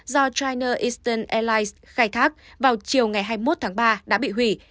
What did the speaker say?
do china eastern airlines khai thác vào chiều ngày hai mươi một tháng ba đã bị hủy